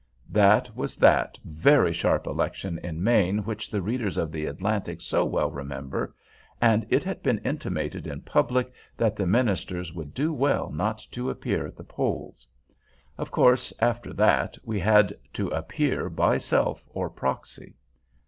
That was that very sharp election in Maine which the readers of The Atlantic so well remember, and it had been intimated in public that the ministers would do well not to appear at the polls. Of course, after that, we had to appear by self or proxy.